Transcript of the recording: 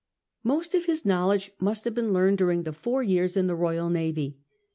Most of this knowledge must have been learned during the four years in the Royal Navy.